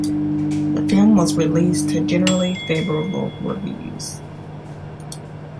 The film was released to generally favorable reviews.